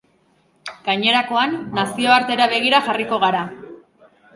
Gainerakoan, nazioartera begira jarriko gara.